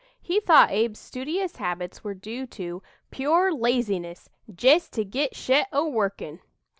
He thought Abe's studious habits were due to "pure laziness, jest to git shet o' workin'."